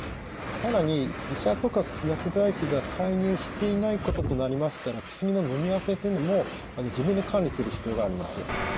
更に医者とか薬剤師が介入していないこととなりましたら薬ののみあわせというのも自分で管理する必要があります。